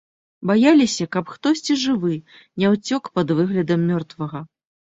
Баяліся, каб хтосьці жывы ня ўцёк пад выглядам мёртвага.